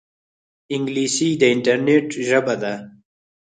انګلیسي د انټرنیټ ژبه ده